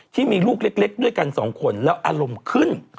ที่มีลูกเล็กด้วยกันสองคนแล้วอารมณ์ขึ้น